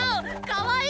かわいい？